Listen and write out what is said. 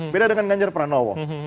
beda dengan ganjar pranowo